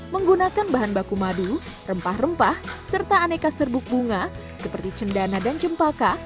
menggunakan bahan baku madu rempah rempah serta aneka serbuk bunga seperti cendana dan cempaka